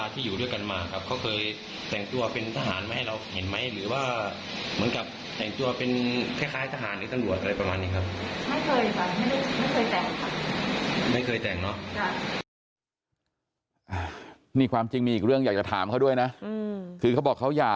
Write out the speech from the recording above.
เจ๊เคยเล่าให้ฟังค่ะว่าเจ๊เคยเป็นทหารพรานค่ะ